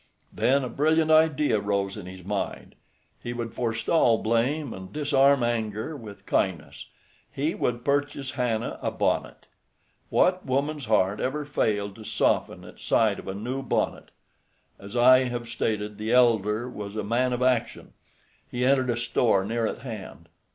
Then a brilliant idea rose in his mind. He would forestall blame and disarm anger with kindness—he would purchase Hannah a bonnet. What woman's heart ever failed to soften at sight of a new bonnet? As I have stated, the elder was a man of action. He entered a store near at hand.